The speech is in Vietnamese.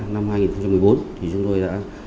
năm hai nghìn một mươi bốn thì chúng tôi đã